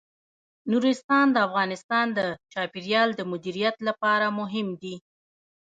نورستان د افغانستان د چاپیریال د مدیریت لپاره مهم دي.